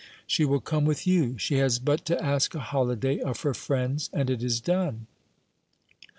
She will come with you. She has but to ask a holiday of her friends, and it is done."